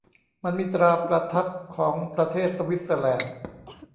มันมีตราประทับของประเทศสวิสเซอร์แลนด์